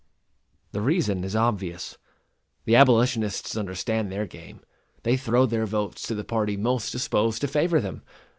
The reason is obvious. The abolitionists understand their game. They throw their votes to the party most disposed to favor them.